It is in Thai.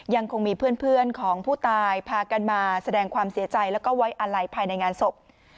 ยังคงมีเพื่อนของผู้ตายพากันมาแสดงความเสียใจแล้วก็ไว้อาลัยภายในงานศพ